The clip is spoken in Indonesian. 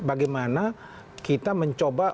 bagaimana kita mencoba